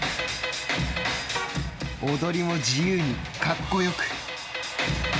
踊りも自由に、格好よく。